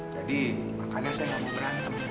jadi makanya saya gak mau berantem